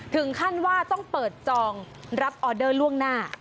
ถึงขั้นว่าต้องเปิดจองรับออเดอร์ล่วงหน้า